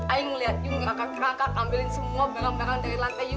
ayo ngelihat juga kakak kakak ambilin semua barang barang dari lantai juga